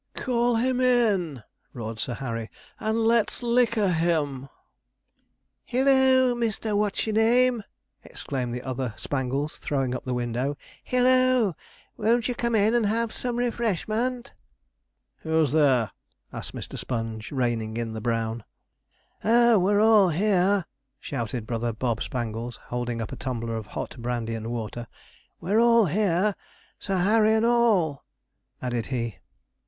'Call him in,' roared Sir Harry, 'and let's liquor him.' 'Hilloo! Mister What's your name!' exclaimed the other Spangles, throwing up the window. 'Hilloo, won't you come in and have some refreshment?' 'Who's there?' asked Mr. Sponge, reining in the brown. 'Oh, we're all here,' shouted brother Bob Spangles, holding up a tumbler of hot brandy and water; 'we're all here Sir Harry and all,' added he.